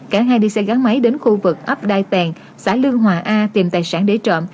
cả hai đi xe gắn máy đến khu vực ấp đai tèn xã lương hòa a tìm tài sản để trộm